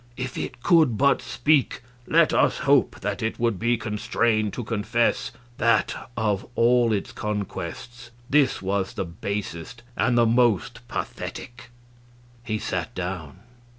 If it could but speak, let us hope that it would be constrained to confess that of all its conquests this was the basest and the most pathetic." He sat down.